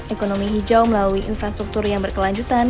ekonomi hijau melalui infrastruktur yang berkelanjutan